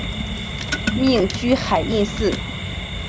命居海印寺。